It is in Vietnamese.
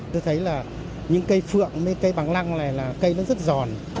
tôi thấy là những cây phượng mấy cây bằng lăng này là cây nó rất giòn